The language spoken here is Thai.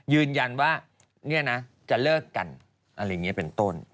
ยืนยันว่าเนี่ยนะจะเลิกกันอะไรอย่างนี้เป็นต้น